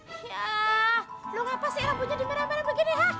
eh ya lu ngapasih rambutnya di merah merah begini ha